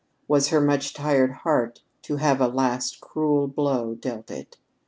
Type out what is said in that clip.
Was her much tired heart to have a last cruel blow dealt it?